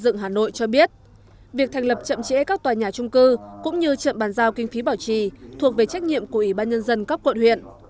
giám đốc sở xây dựng hà nội cho biết việc thành lập chậm trễ các tòa nhà trung cư cũng như chậm bàn giao kinh phí bảo trì thuộc về trách nhiệm của ủy ban nhân dân các quận huyện